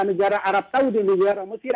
negara arab tau di negara mesir